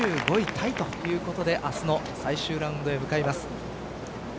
タイということで明日の最終ラウンドへ向かいます。